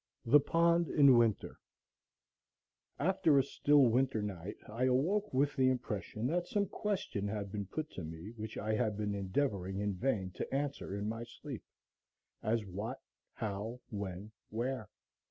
The Pond in Winter After a still winter night I awoke with the impression that some question had been put to me, which I had been endeavoring in vain to answer in my sleep, as what—how—when—where?